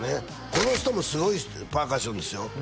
この人もすごいパーカッションですよ